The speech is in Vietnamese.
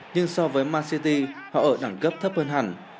nhưng so với man city họ ở đẳng cấp thấp hơn hẳn